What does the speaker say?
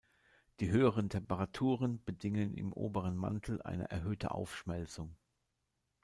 Die höheren Temperaturen bedingen im oberen Mantel eine erhöhte Aufschmelzung.